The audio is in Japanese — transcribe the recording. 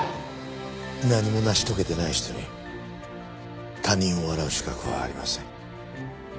何も成し遂げてない人に他人を笑う資格はありません。